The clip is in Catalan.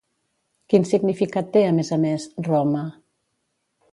Quin significat té a més a més “Roma”?